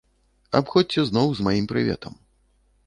Абходзьце зноў з маім прыветам.